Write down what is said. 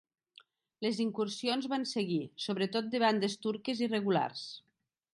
Les incursions van seguir, sobretot de bandes turques irregulars.